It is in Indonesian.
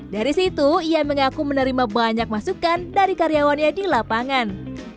dari situ ia mengaku menerima banyak masukan dari karyawannya di lapangan